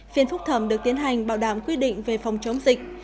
phiên phúc thẩm được tiến hành bảo đảm quy định về phòng chống dịch